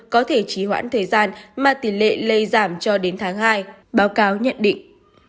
có thể trí hoãn thời gian mà tỷ lệ lây giảm cho đến tháng hai báo cáo nhận định